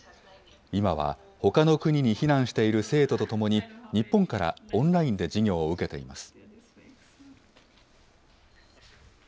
今はほかの国に避難している生徒とともに、日本からオンラインで授業を受けています。